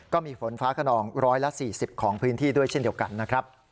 ก็มีฝนฟ้าขนอง๑๔๐ของพื้นที่ด้วยเช่นเดียวกันนะครับ